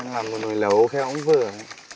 làm một nồi lấu kheo cũng vừa